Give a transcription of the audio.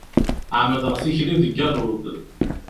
Ɛemmdeɣ tikli deg aluḍ.